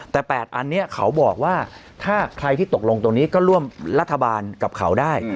แต่๘อันนี้เขาบอกว่าถ้าใครที่ตกลงตรงนี้ก็ร่วมรัฐบาลกับเขาได้